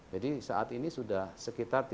jadi saat ini sudah sekitar tiga juta